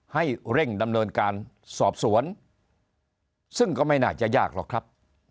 ให้เร่งดำเนินการสอบสวนซึ่งก็ไม่น่าจะยากหรอกครับ